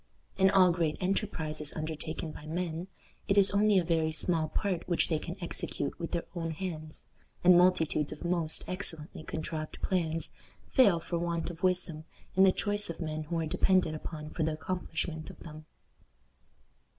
In all great enterprises undertaken by men, it is only a very small part which they can execute with their own hands, and multitudes of most excellently contrived plans fail for want of wisdom in the choice of the men who are depended upon for the accomplishment of them.